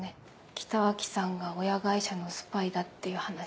北脇さんが親会社のスパイだっていう話。